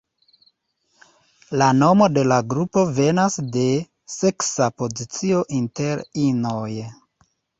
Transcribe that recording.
La nomo de la grupo venas de seksa pozicio inter inoj.